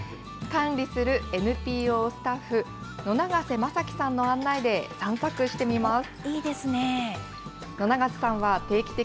管理するＮＰＯスタッフ、野長瀬雅樹さんの案内で散策してみます。